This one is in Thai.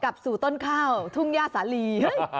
กลับสู่ต้นข้าวทุ่งย่าสาลี